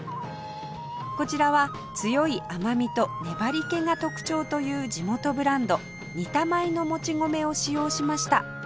こちらは強い甘みと粘り気が特徴という地元ブランド仁多米のもち米を使用しました